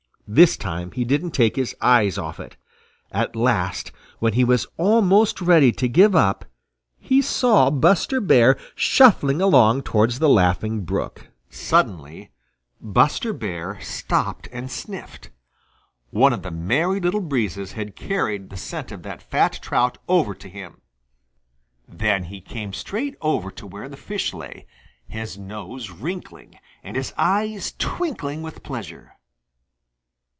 This time he didn't take his eyes off it. At last, when he was almost ready to give up, he saw Buster Bear shuffling along towards the Laughing Brook. Suddenly Buster stopped and sniffed. One of the Merry Little Breezes had carried the scent of that fat trout over to him. Then he came straight over to where the fish lay, his nose wrinkling, and his eyes twinkling with pleasure.